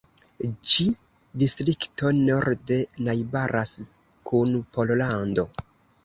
Ĉi-distrikto norde najbaras kun Pollando.